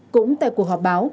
cũng tại cuộc họp báo